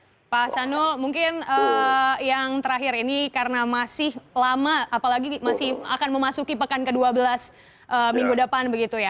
oke pak sanul mungkin yang terakhir ini karena masih lama apalagi masih akan memasuki pekan ke dua belas minggu depan begitu ya